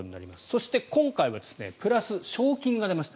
そして、今回はプラス賞金が出ました。